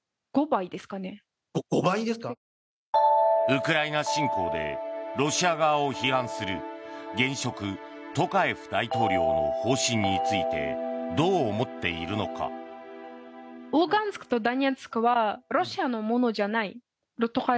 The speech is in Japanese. ウクライナ侵攻でロシア側を批判する現職トカエフ大統領の方針についてどう思っているのか。という現地の声でした。